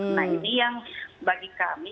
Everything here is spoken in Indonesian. nah ini yang bagi kami